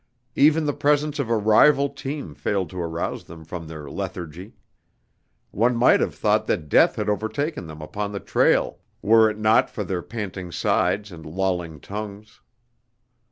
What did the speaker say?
Even the presence of a rival team failed to arouse them from their lethargy. One might have thought that death had overtaken them upon the trail were it not for their panting sides and lolling tongues.